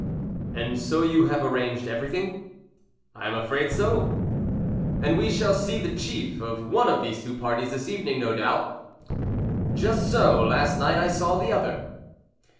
"And so you have arranged everything?" "I am afraid so." "And we shall see the chief of one of these two parties this evening, no doubt?" "Just so; last night I saw the other."